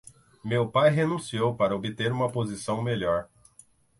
Meu pai renunciou para obter uma posição melhor.